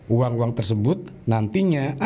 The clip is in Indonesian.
uang uang tersebut nantinya akan